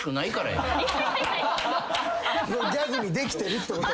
ギャグにできてるってことはな。